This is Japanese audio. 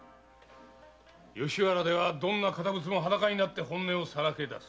吉原ではどんな堅物も裸になって本音をさらけ出す。